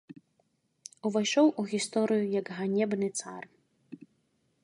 Увайшоў у гісторыю як ганебны цар.